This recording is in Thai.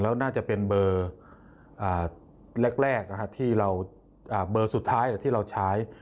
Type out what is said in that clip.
แล้วน่าจะเป็นเบอกสุดท้ายที่เราใช้